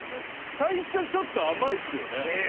最初ちょっと甘いっすよね